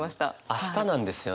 明日なんですよね。